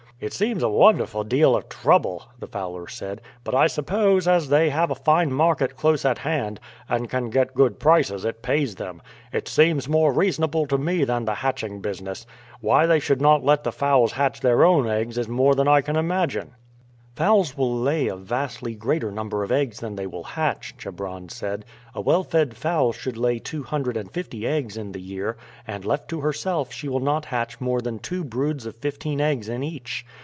"It seems a wonderful deal of trouble," the fowler said. "But I suppose, as they have a fine market close at hand, and can get good prices, it pays them. It seems more reasonable to me than the hatching business. Why they should not let the fowls hatch their own eggs is more than I can imagine." "Fowls will lay a vastly greater number of eggs than they will hatch," Chebron said. "A well fed fowl should lay two hundred and fifty eggs in the year; and, left to herself, she will not hatch more than two broods of fifteen eggs in each.